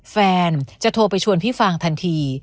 แฟนจะโทรไปชวนพี่ฟางทันที